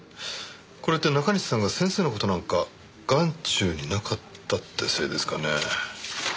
これって中西さんが先生の事なんか眼中になかったってせいですかね？